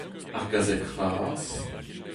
Ar gazeg c'hlas.